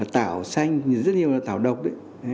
tạo xanh rất nhiều là tạo độc đấy